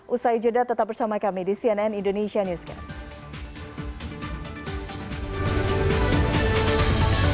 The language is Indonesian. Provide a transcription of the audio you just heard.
usai jeda tetap bersama kami di cnn indonesia newscast